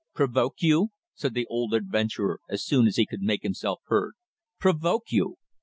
"Provoke you!" said the old adventurer, as soon as he could make himself heard. "Provoke you!